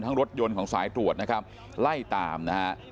ทั้งรถยนต์ของสายตรวจนะครับไล่ตามนะครับ